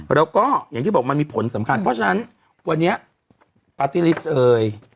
แล้วก็อย่างที่บอกมันมีผลสำคัญเพราะฉะนั้นวันนี้ปาร์ตี้ลิสต์เอ่ย